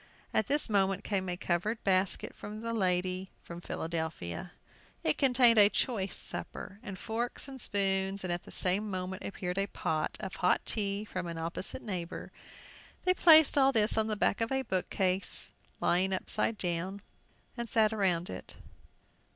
At this moment came a covered basket from the lady from Philadelphia. It contained a choice supper, and forks and spoons, and at the same moment appeared a pot of hot tea from an opposite neighbor. They placed all this on the back of a bookcase lying upset, and sat around it.